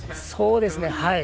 そうですね。